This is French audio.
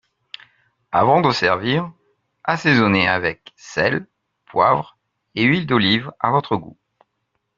Avant de servir, assaisonner avec sel, poivre et huile d’olive à votre goût